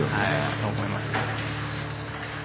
そう思います。